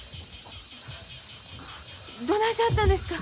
どないしはったんですか？